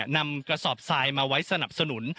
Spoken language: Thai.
นำกระสอบทรายมาไว้สนับสนุน